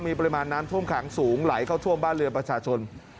มีปริมาณน้ำท่วมขังสูงไหลเข้าท่วมบ้านเรือนประชาชน